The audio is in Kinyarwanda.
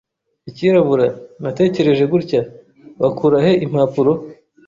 “Ikirabura! Natekereje gutya. ” “Wakura he impapuro?